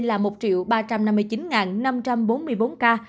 là một ba trăm năm mươi chín năm trăm bốn mươi bốn ca